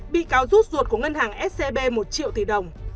bị cáo rút ruột của ngân hàng scb một triệu tỷ đồng